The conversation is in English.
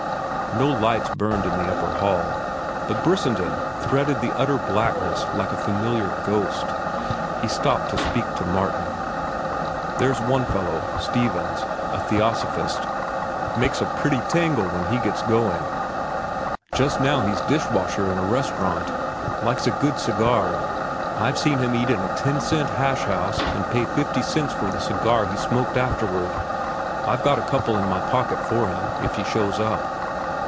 No lights burned in the upper hall, but Brissenden threaded the utter blackness like a familiar ghost. He stopped to speak to Martin. "There's one fellow—Stevens—a theosophist. Makes a pretty tangle when he gets going. Just now he's dish washer in a restaurant. Likes a good cigar. I've seen him eat in a ten cent hash house and pay fifty cents for the cigar he smoked afterward. I've got a couple in my pocket for him, if he shows up."